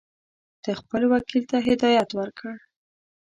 ده خپل وکیل ته هدایت ورکړ.